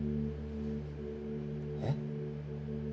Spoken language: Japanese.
えっ？